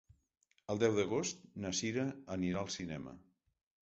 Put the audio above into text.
El deu d'agost na Sira anirà al cinema.